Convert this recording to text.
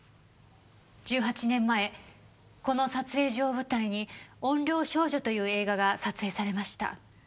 １８年前この撮影所を舞台に『怨霊少女』という映画が撮影されました。